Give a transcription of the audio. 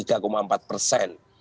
akhir tiga empat persen